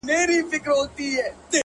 چي د وجود. په هر يو رگ کي دي آباده کړمه.